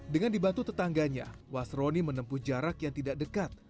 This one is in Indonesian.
dengan dibantu tetangganya wasroni menempuh jarak yang tidak dekat